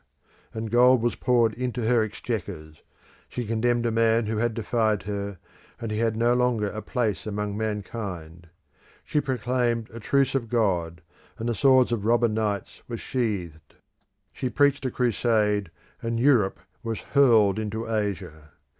and gold was poured into her exchequers; she condemned a man who had defied her, and he had no longer a place among mankind; she proclaimed a Truce of God, and the swords of robber knights were sheathed; she preached a crusade, and Europe was hurled into Asia.